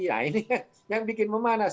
nah ini yang bikin memanas